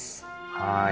はい。